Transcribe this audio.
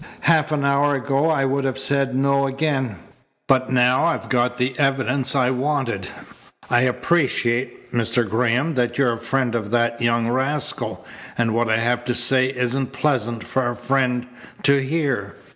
"Half an hour ago I would have said no again, but now I've got the evidence I wanted. I appreciate, Mr. Graham, that you're a friend of that young rascal, and what I have to say isn't pleasant for a friend to hear.